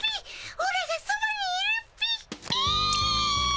オラがそばにいるっピ。